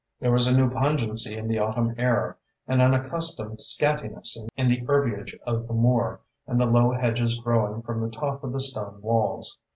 There was a new pungency in the autumn air, an unaccustomed scantiness in the herbiage of the moor and the low hedges growing from the top of the stone walls.